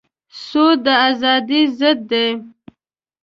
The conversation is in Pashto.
سود د ازادۍ ضد دی.